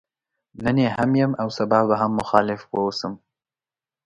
نن يې هم يم او سبا به هم مخالف واوسم.